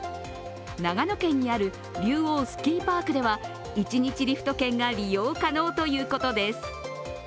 長野県にある竜王スキーパークでは１日リフト券が利用可能ということです。